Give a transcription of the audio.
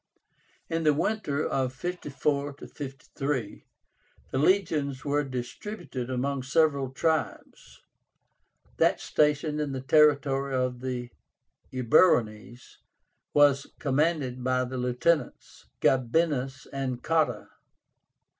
In the winter of 54 53 the legions were distributed among several tribes. That stationed in the territory of the Eburónes was commanded by the lieutenants, Gabínus and Cotta.